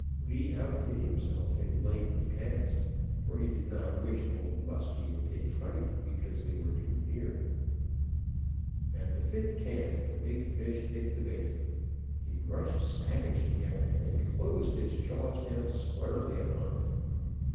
Lee outdid himself in length of cast, for he did not wish Old Muskie to take fright because they were too near. At the fifth cast the big fish hit the bait. He rushed savagely at it, and closed his jaws down squarely upon it.